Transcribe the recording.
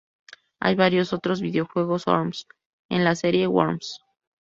Hay varios otros videojuegos Worms en la serie Worms.